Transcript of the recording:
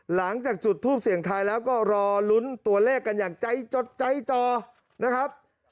หลังจากจุดทูปเสียงทายแล้วก็รอลุ้นตัวเลขกันอย่างใจจดใจจอนะครับ